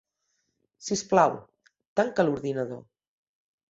Sisplau, tanca l'ordinador.